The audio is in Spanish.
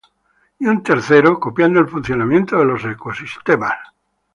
Y un tercero, copiando el funcionamiento de los ecosistemas".